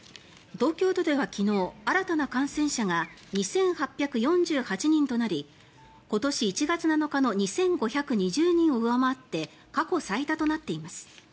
東京都では昨日、新たな感染者が２８４８人となり今年１月７日の２５２０人を上回って過去最多となっています。